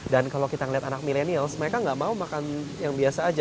dan kalau kita ngelihat anak milenial mereka gak mau makan yang biasa aja